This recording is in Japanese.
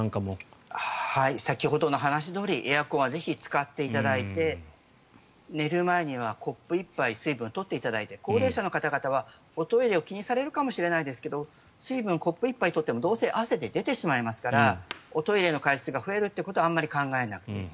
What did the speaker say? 先ほどの話どおりエアコンはぜひ使っていただいて寝る前にはコップ１杯水分を取っていただいて高齢者の方々はおトイレを気にされるかもしれませんが水分をコップ１杯取ってもどうせ汗で出てしまうのでおトイレの回数が増えるってことはあまり考えなくていい。